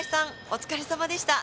お疲れさまでした。